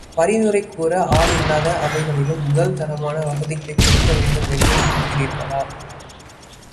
பரிந்துரை கூற ஆள் இல்லாத அவைகளிலும் முதல் தரமான வசதிகளைக் கொடுக்க வேண்டுமென்று விரும்புகிறிர்களா?